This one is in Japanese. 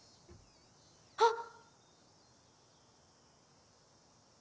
あっ！